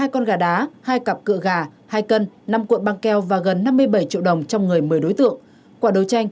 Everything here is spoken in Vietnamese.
hai con gà đá hai cặp cựa gà hai cân năm cuộn băng keo và gần năm mươi quân